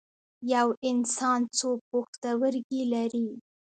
یو انسان څو پښتورګي لري